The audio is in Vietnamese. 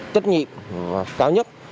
trách nhiệm và cao nhất